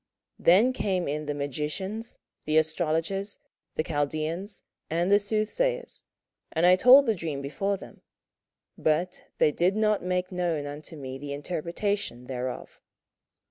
27:004:007 Then came in the magicians, the astrologers, the Chaldeans, and the soothsayers: and I told the dream before them; but they did not make known unto me the interpretation thereof.